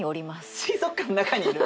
水族館の中にいる？